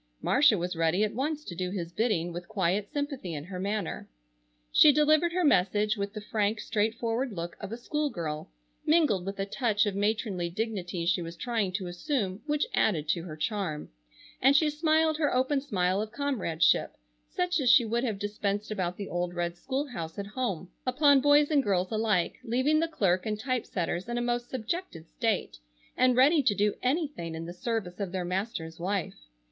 Marcia was ready at once to do his bidding with quiet sympathy in her manner. She delivered her message with the frank straightforward look of a school girl, mingled with a touch of matronly dignity she was trying to assume, which added to her charm; and she smiled her open smile of comradeship, such as she would have dispensed about the old red school house at home, upon boys and girls alike, leaving the clerk and type setters in a most subjected state, and ready to do anything in the service of their master's wife.